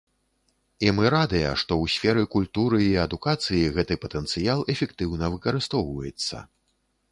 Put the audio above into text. І мы радыя, што ў сферы культуры і адукацыі гэты патэнцыял эфектыўна выкарыстоўваецца.